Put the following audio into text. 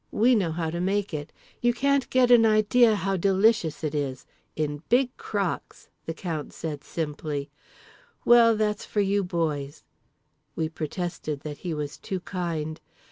We know how to make it. You can't get an idea how delicious it is. In big crocks"—the Count said simply—"well, that's for you boys." We protested that he was too kind.